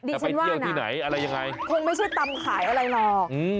แต่ไปเที่ยวที่ไหนอะไรยังไงดิฉันว่านะคงไม่ใช่ตำขายอะไรหรอก